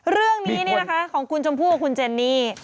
เรื่องนี้ของคุณชมพู่กับคุณเจนนี่